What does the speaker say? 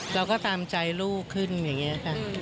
เราก็ตามใจลูกขึ้นอย่างนี้ค่ะ